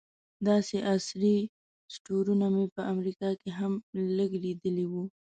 داسې عصري سټورونه مې په امریکا کې هم لږ لیدلي وو.